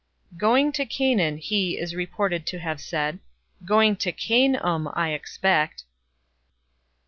"Going to Canaan," he (is reported to have) said. "Going to cane 'em, I expect!"